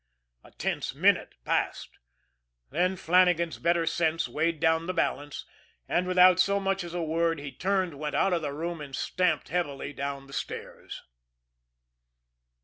A tense minute passed. Then Flannagan's better sense weighed down the balance, and, without so much as a word, he turned, went out of the room, and stamped heavily down the stairs.